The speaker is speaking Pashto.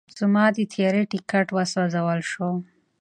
زما د طیارې ټیکټ وسوځل شو.